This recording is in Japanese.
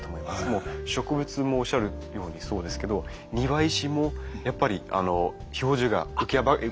もう植物もおっしゃるようにそうですけど庭石もやっぱり表情が浮き上がって。